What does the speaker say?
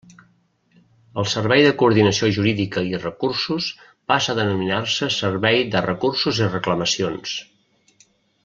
El Servei de Coordinació Jurídica i Recursos passa a denominar-se Servei de Recursos i Reclamacions.